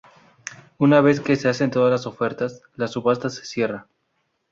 Una vez que se hacen todas las ofertas, la subasta se cierra.